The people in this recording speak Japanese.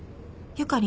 ゆかり！